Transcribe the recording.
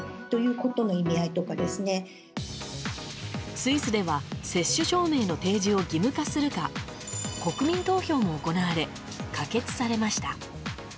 スイスでは接種証明の提示を義務化するか国民投票も行われ可決されました。